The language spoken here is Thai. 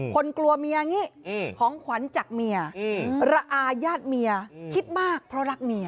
กลัวเมียอย่างนี้ของขวัญจากเมียระอาญาติเมียคิดมากเพราะรักเมีย